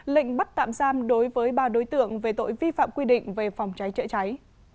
lệnh bắt tạm giam đối với ba đối tượng về tội vi phạm quy định về phòng cháy chữa cháy